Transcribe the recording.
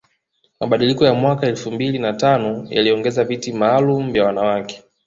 Mabadiliko ya mwaka elfu mbili na tano yaliongeza viti maalum vya wanawake